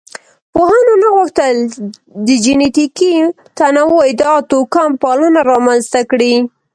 پوهانو نه غوښتل د جینټیکي تنوع ادعا توکمپالنه رامنځ ته کړي.